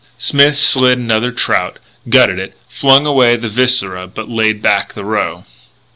Smith slit another trout, gutted it, flung away the viscera but laid back the roe.